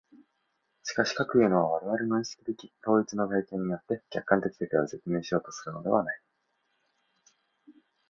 しかし、かくいうのは我々の意識的統一の体験によって客観的世界を説明しようとするのではない。